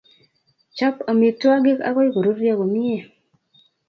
Chop amitwogik akoy koruryo komye.